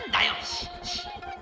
シッシッ。